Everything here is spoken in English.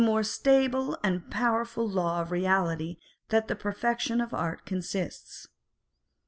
more stable and powerful law of reality that the perfection of art consists.